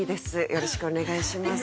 よろしくお願いします。